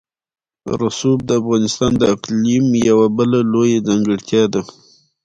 رسوب د افغانستان د اقلیم یوه بله لویه ځانګړتیا ده.